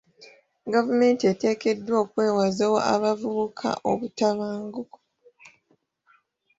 Gavumenti eteekeddwa okwewaza abavubuka obutabanguko.